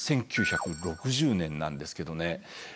１９６０年なんですけどね